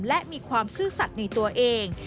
และมีความซื่อสัตว์ในตัวเอง